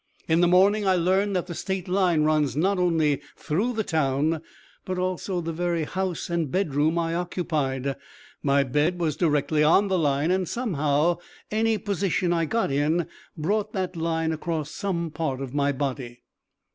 In the morning I learned that the state line runs not only through the town, but also, the very house and bedroom I occupied. My bed was directly on the line, and somehow, any position I got in brought that line across some part of my body.